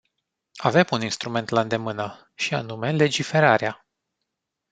Avem un instrument la îndemână, și anume legiferarea.